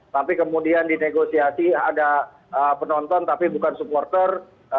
tapi kemudian dinegosiasi ada penonton tapi bukan supporter